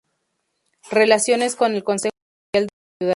Relaciones con el Consejo Social de la Ciudad.